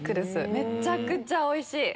めちゃくちゃおいしい！